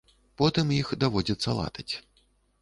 Потым іх даводзіцца латаць.